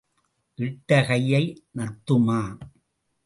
இட்ட கையை நத்துமா?